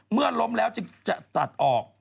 เมื่อล้มแล้วจึงจะตัดออก